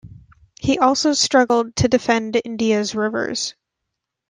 He has also struggled to defend India's rivers.